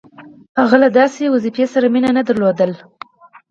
• هغه له داسې دندې سره مینه نهدرلوده.